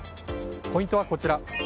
ポイントはこちら。